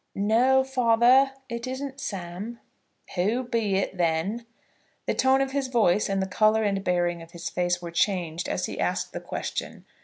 "No, father; it isn't Sam." "Who be it, then?" The tone of his voice, and the colour and bearing of his face were changed as he asked the question.